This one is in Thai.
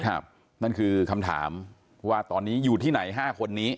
นั่นคือคำถามว่าตอนนี้อยู่ที่ไหนห้าคนนี้